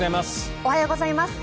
おはようございます。